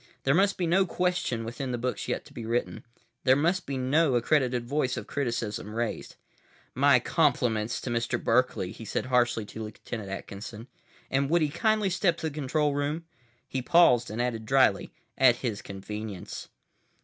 There must be no question within the books yet to be written. There must be no accredited voice of criticism raised. "My compliments to Mr. Berkeley," he said harshly to Lt. Atkinson, "and would he kindly step to the control room?" He paused and added dryly, "At his convenience."